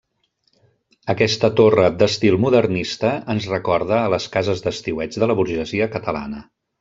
Aquesta torre d'estil modernista ens recorda a les cases d'estiueig de la burgesia catalana.